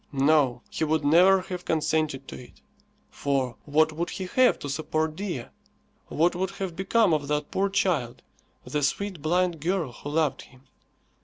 No, he would never have consented to it. For what would he have to support Dea? What would have become of that poor child, the sweet blind girl who loved him?